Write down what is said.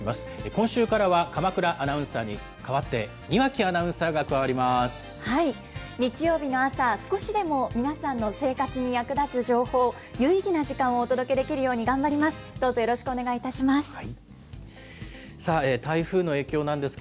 今週からは鎌倉アナウンサーに代わって、庭木アナウンサーが加わ日曜日の朝、少しでも皆さんの生活に役立つ情報、有意義な時間をお届けできるように頑張ります。